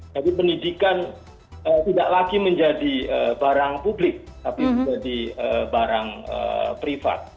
pendidikan tidak lagi menjadi barang publik tapi menjadi barang privat